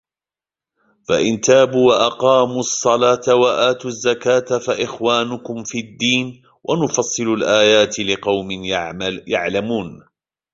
فإن تابوا وأقاموا الصلاة وآتوا الزكاة فإخوانكم في الدين ونفصل الآيات لقوم يعلمون